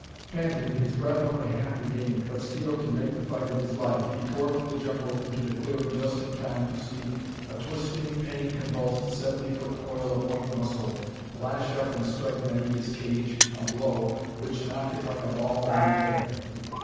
Panting, his breath only half regained, but steeled to make the fight of his life, he tore from the jungle into the clearing just in time to see a twisting, pain convulsed seventy foot coil of white muscle lash up and strike Naida's cage a blow which knocked it like a ball in the air.